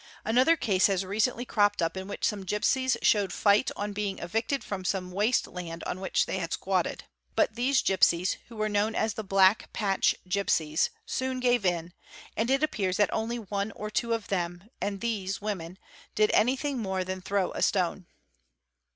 Another case has recently cropped up in which some gipsies showed fight on being evicted from some waste land on which they had squatted. But these gipsies, who were known as the Black Patch gipsies, soon gave in, and it appears that only one or two of them, and these women, did anything more than throw a stone.